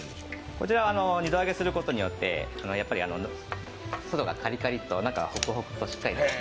こちら、二度揚げすることによって外がカリカリと中はホクホクとしっかり。